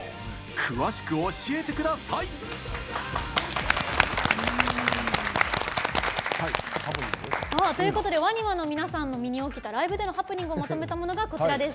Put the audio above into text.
詳しく教えてください！ということでＷＡＮＩＭＡの皆さんの身に起きたライブでのハプニングをまとめたものです。